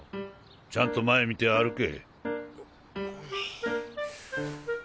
ちゃんと前見て歩け。